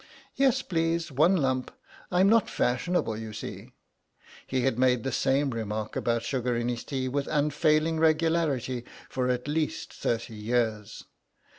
Yes, please, one lump; I'm not fashionable, you see." He had made the same remark about the sugar in his tea with unfailing regularity for at least thirty years.